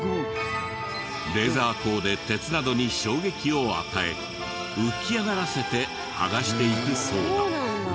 レーザー光で鉄などに衝撃を与え浮き上がらせて剥がしていくそうだ。